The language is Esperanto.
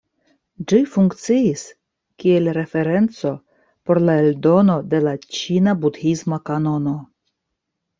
Ĝi funkciis kiel referenco por la eldono de la ĉina budhisma kanono.